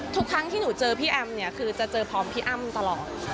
ทุกครั้งที่หนูเจอพี่แอมเนี่ยคือจะเจอพร้อมพี่อ้ำตลอด